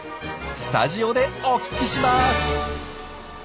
スタジオでお聞きします。